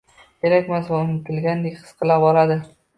kerakmas va unutilgandek his qila boradi.